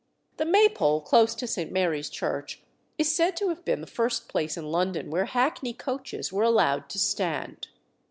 The Maypole close to St. Mary's Church is said to have been the first place in London where hackney coaches were allowed to stand.